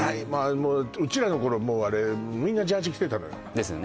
もううちらの頃もうあれみんなジャージ着てたのよですよね